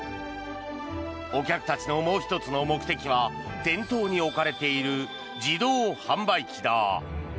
お客たちのもう１つの目的は店頭に置かれている自動販売機だ。